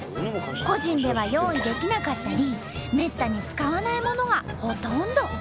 個人では用意できなかったりめったに使わないものがほとんど。